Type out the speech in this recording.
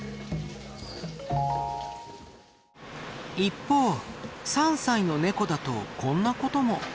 一方３歳のネコだとこんなことも。